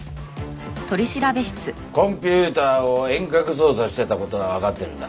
コンピューターを遠隔操作してた事はわかってるんだ。